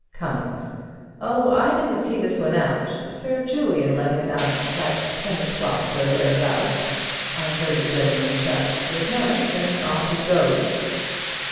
Cummings: Oh, I didn't see this one out. Sir Julian let him out himself at ten o'clock or thereabouts. I heard the gentleman shout "Good night" and off he goes.